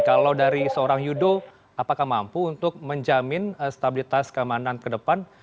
kalau dari seorang yudo apakah mampu untuk menjamin stabilitas keamanan ke depan